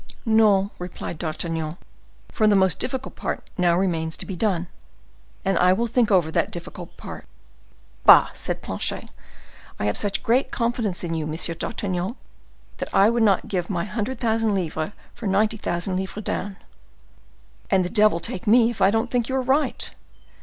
"No," replied D'Artagnan; "for the most difficult part now remains to be done, and I will think over that difficult part." "Bah!" said Planchet; "I have such great confidence in you, M. d'Artagnan, that I would not give my hundred thousand livres for ninety thousand livres down." "And devil take me if I don't think you are right!"